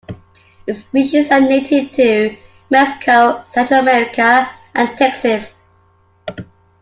Its species are native to Mexico, Central America, and Texas.